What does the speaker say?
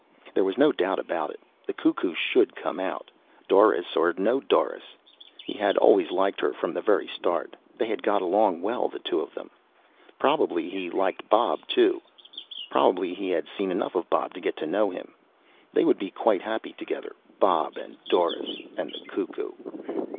There was no doubt about it the cuckoo should come out, Doris or no Doris. He had always liked her, from the very start. They had got along well, the two of them. Probably he liked Bob too probably he had seen enough of Bob to get to know him. They would be quite happy together, Bob and Doris and the cuckoo.